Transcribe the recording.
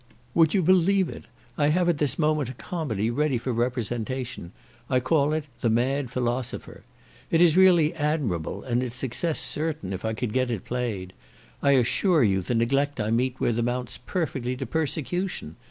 "Would you believe it? I have at this moment a comedy ready for representation; I call it 'The Mad Philosopher.' It is really admirable, and its success certain, if I could get it played. I assure you the neglect I meet with amounts perfectly to persecution.